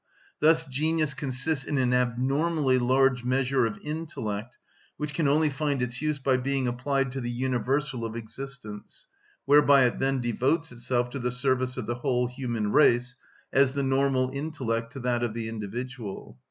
Thus genius consists in an abnormally large measure of intellect, which can only find its use by being applied to the universal of existence, whereby it then devotes itself to the service of the whole human race, as the normal intellect to that of the individual.